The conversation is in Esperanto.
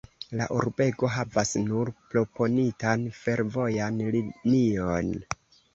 La urbego havas nur proponitan fervojan linion.